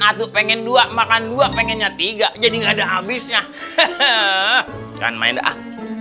ngaduk pengen dua makan dua pengennya tiga jadi nggak ada habisnya kan main ah